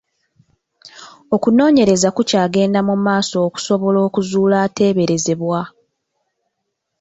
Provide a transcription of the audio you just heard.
Okunoonyereza kukyagenda mu maaso okusobola okuzuula ateeberezebwa.